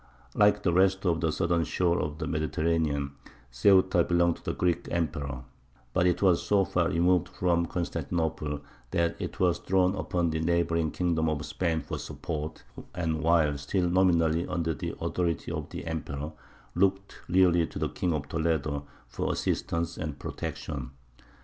Like the rest of the southern shore of the Mediterranean, Ceuta belonged to the Greek Emperor; but it was so far removed from Constantinople that it was thrown upon the neighbouring kingdom of Spain for support, and, while still nominally under the authority of the Emperor, looked really to the King of Toledo for assistance and protection.